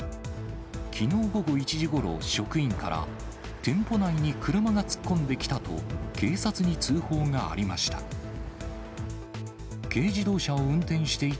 きのう午後１時ごろ、職員から、店舗内に車が突っ込んできたと、警察に通報がありました。